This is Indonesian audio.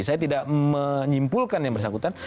saya tidak menyimpulkan yang bersangkutan